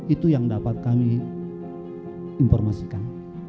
itu yang dapat kami informasikan